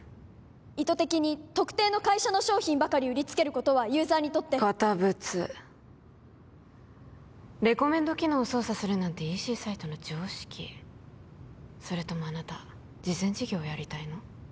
意図的に特定の会社の商品ばかり売りつけることはユーザーにとって堅物レコメンド機能を操作するなんてＥＣサイトの常識それともあなた慈善事業をやりたいの？